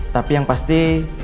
tapi yang pasti